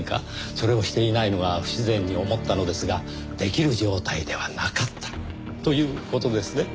それをしていないのが不自然に思ったのですができる状態ではなかったという事ですね。